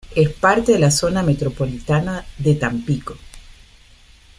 Es parte de la Zona Metropolitana de Tampico.